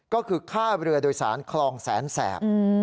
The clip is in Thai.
ก็คือค่าเรือโดยสารคลองแสนแสบ